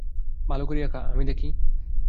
ভালো করিয়া খা, আমি দেখি।